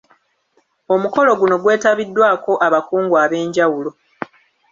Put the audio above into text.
Omukolo guno gwetabiddwako abakungu ab’enjawulo